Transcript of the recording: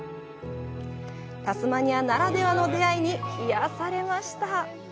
タスマニアならではの出会いに癒やされました。